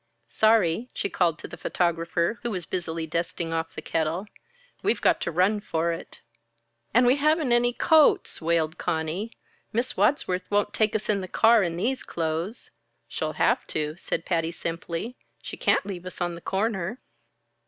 "Sorry!" she called to the photographer, who was busily dusting off the kettle. "We've got to run for it." "And we haven't any coats!" wailed Conny. "Miss Wadsworth won't take us in the car in these clothes." "She'll have to," said Patty simply. "She can't leave us on the corner."